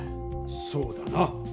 そうだな。